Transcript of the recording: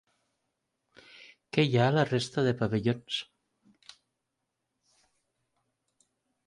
Què hi ha a la resta de pavellons?